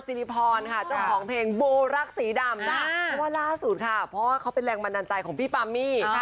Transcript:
สินิพน์แต่ว่าร่าสุดเพราะว่เขาเป็นแรงบันดาลใจของพี่ปามมริ